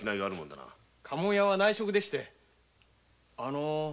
家紋屋は内職でしてあの？